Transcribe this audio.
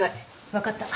分かった。